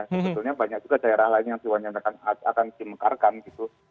sebetulnya banyak juga daerah lain yang diwanya akan dimekarkan gitu